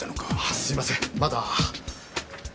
あすいませんまだ。